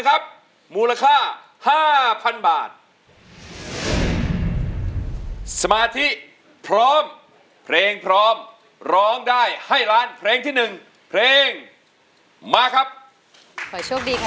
อาธิพร้อมเพลงพร้อมร้องได้ให้ร้านเพลงที่หนึ่งเพลงมาครับขอโชคดีครับ